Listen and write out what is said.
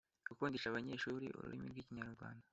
gukundisha abanyeshuri ururimi rw’Ikinyarwanda